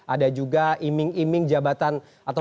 ada juga iming iming jabatan atau posisi basah begitu